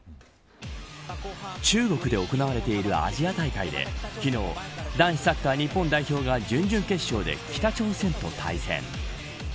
中国で行われているアジア大会で昨日、男子サッカー日本代表が準々決勝で北朝鮮と対戦。